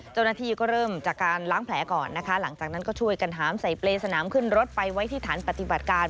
เจ้าหน้าที่ก็เริ่มจากการล้างแผลก่อนนะคะหลังจากนั้นก็ช่วยกันหามใส่เปรย์สนามขึ้นรถไปไว้ที่ฐานปฏิบัติการ